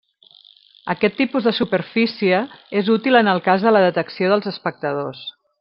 Aquest tipus de superfície és útil en el cas de la detecció dels espectadors.